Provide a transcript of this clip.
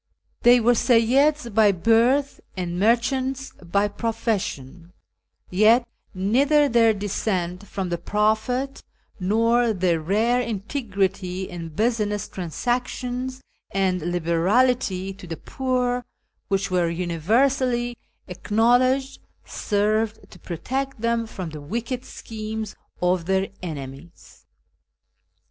They were Seyyids by birth, and merchants by profession ; yet neither their descent from the Prophet, nor their rare integrity in business transac tions and liberality to the poor, which were universally acknowledged, served to protect them from the wicked schemes of their enemies.